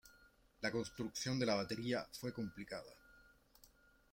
La construcción de la batería fue complicada.